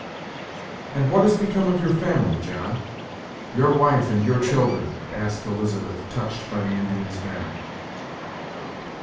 "And what has become of your family, John your wife and your children?" asked Elizabeth, touched by the Indian's manner.